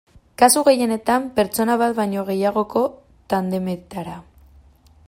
Kasu gehienetan, pertsona bat baino gehiagoko tandemetara.